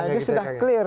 nah ini sudah clear